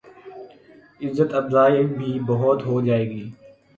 عزت افزائی بھی بہت ہو جائے گی۔